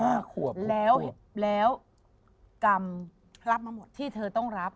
แล้วกรรมที่เธอต้องรับ